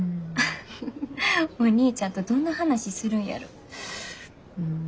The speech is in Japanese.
お兄ちゃんとどんな話するんやろ？